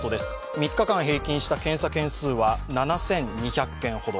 ３日間平均した検査件数は７２００件ほど。